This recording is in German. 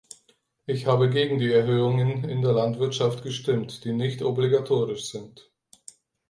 Ich habe gegen die Erhöhungen in der Landwirtschaft gestimmt, die nicht obligatorisch sind.